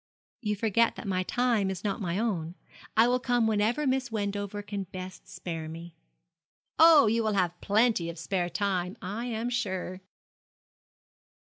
'You forget that my time is not my own. I will come whenever Miss Wendover can best spare me.' 'Oh, you will have plenty of spare time, I am sure.'